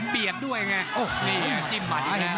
เปรียบด้วยไงโอ้นี่จิ้มมาดินะ